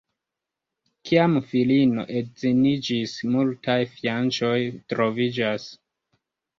Kiam filino edziniĝis, multaj fianĉoj troviĝas.